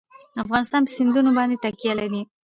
افغانستان په سیندونه باندې تکیه لري.